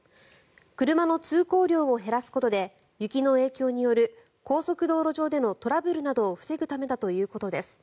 車の通行量を減らすことで雪の影響による高速道路上でのトラブルなどを防ぐためだということです。